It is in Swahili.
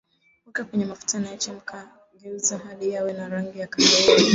Weka kwenye mafuta yanayochemka geuza hadi yawe na rangi ya kahawia